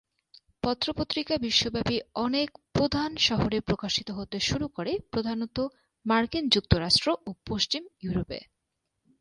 পথ পত্রিকা বিশ্বব্যাপী অনেক প্রধান শহরে প্রকাশিত হতে শুরু করে, প্রধানত মার্কিন যুক্তরাষ্ট্র ও পশ্চিম ইউরোপে।